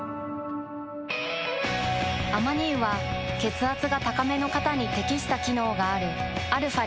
アマニ油は血圧が高めの方に適した機能があるαー